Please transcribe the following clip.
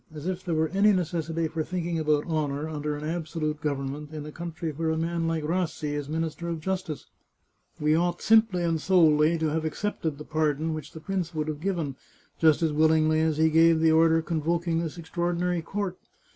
As if there were any necessity for thinking about honour under an absolute government in a country where a man like Rassi is Minister of Justice ! We ought 463 The Chartreuse of Parma simply and solely to have accepted the pardon which the prince would have given, just as willingly as he gave the order convoking this extraordinary court.